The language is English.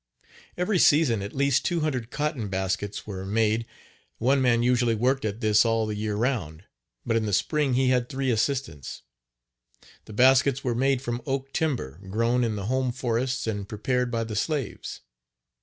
Every season at least 200 cotton baskets were made. One man usually worked at this all the year round, but in the spring he had three assistants. The baskets were made from oak timber grown in the home forests and prepared by the slaves.